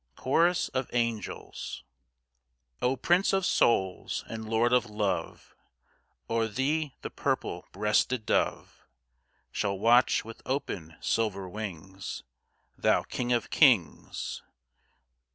CHORUS OF ANGELS O Prince of souls and Lord of Love, O'er thee the purple breasted dove Shall watch with open silver wings, Thou King of Kings.